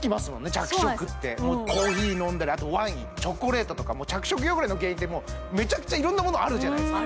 着色ってコーヒー飲んだりあとワインチョコレートとか着色汚れの原因ってもうメチャクチャ色んなものあるじゃないですか